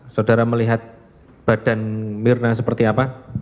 saudara melihat badan mirna seperti apa